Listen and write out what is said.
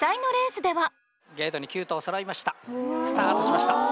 スタートしました。